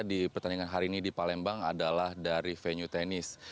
di pertandingan hari ini di palembang adalah dari venue tenis